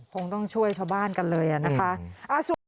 คงต้องช่วยชาวบ้านกันเลยนะคะ